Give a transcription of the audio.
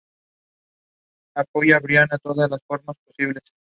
Esta habitación está magníficamente ambientada.